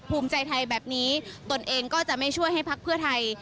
ภูมิใจไทยแบบนี้ตนเองก็จะไม่ช่วยให้พักเพื่อไทย